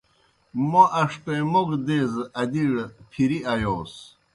موْ اݜٹَیمَوگوْ دیزہ ادِیڑ پھری آیوس۔